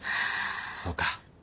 そうか。